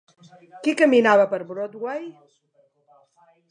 Qui caminava per Broadway.